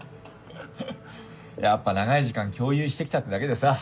やっぱ長い時間共有してきたってだけでさ